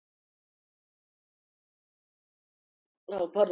ეს შემავალი ეპიზოდები თავის მხრივ მცირედ დასრულებული, სიუჟეტური ამბებია.